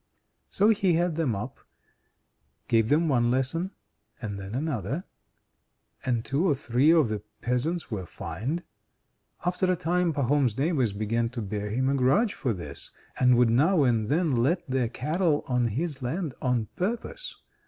So he had them up, gave them one lesson, and then another, and two or three of the peasants were fined. After a time Pahom's neighbours began to bear him a grudge for this, and would now and then let their cattle on his land on purpose.